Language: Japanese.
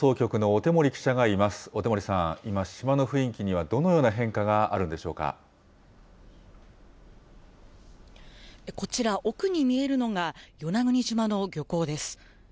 小手森さん、今、島の雰囲気にはどのような変化があるのでしょうこちら、奥に見えるのが、与那国島の漁港です。